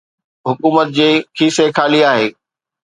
حڪومت جي کيسي خالي آهي.